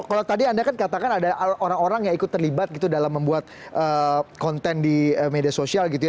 kalau tadi anda kan katakan ada orang orang yang ikut terlibat gitu dalam membuat konten di media sosial gitu ya